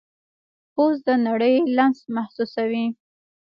پوست د نړۍ لمس محسوسوي.